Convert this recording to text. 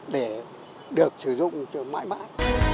để được sử dụng cho mãi mãi